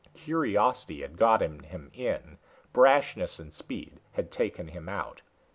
Curiosity had gotten him in, brashness and speed had taken him out.